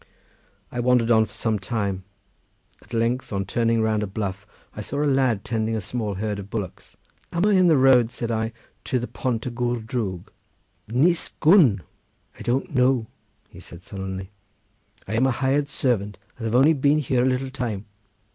I wandered on for some time; at length, on turning round a bluff, I saw a lad tending a small herd of bullocks. "Am I in the road," said I, "to the Pont y Gwr Drwg?" "Nis gwn! I don't know," said he sullenly. "I am a hired servant, and have only been here a little time."